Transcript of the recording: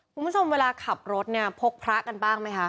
คุณผู้ชมเวลาขับรถเนี่ยพกพระกันบ้างไหมคะ